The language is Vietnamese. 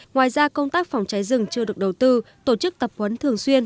ngoài ra công tác phòng cháy rừng chưa được đầu tư tổ chức tập huấn thường xuyên